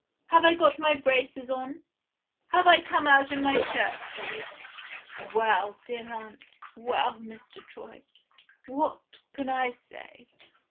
Have I got my braces on? Have I come out in my shirt sleeves? Well, dear aunt; well, Mr. Troy! what can I say?